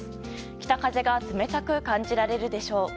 北風が冷たく感じられるでしょう。